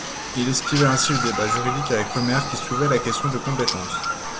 Il esquivait ainsi le débat juridique avec Omer qui soulevait la question de compétence.